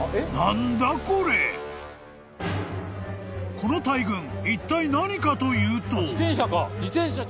［この大群いったい何かというと］